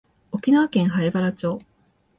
沖縄県南風原町